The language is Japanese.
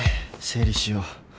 整理しよう